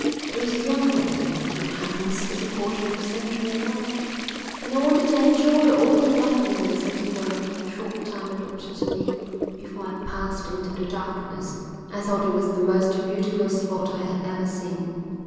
I was a young man then Good Heavens, it's a quarter of a century ago and I wanted to enjoy all the loveliness of the world in the short time allotted to me before I passed into the darkness. I thought it was the most beautiful spot I had ever seen.